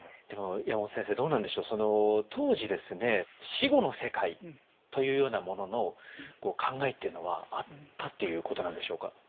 でも山本先生どうなんでしょう当時ですね死後の世界というようなものの考えっていうのはあったっていうことなんでしょうか？